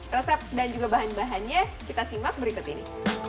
resep dan juga bahan bahannya kita simak berikut ini